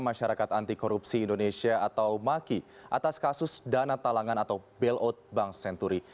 masyarakat anti korupsi indonesia atau maki atas kasus dana talangan atau bailout bank senturi